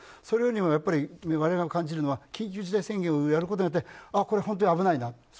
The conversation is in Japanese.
それよりも我々が感じるのは緊急事態宣言をやることによってこれは本当に危ないなと。